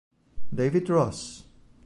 David Ross